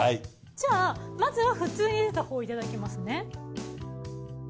じゃあまずは普通にゆでたほういただきますね。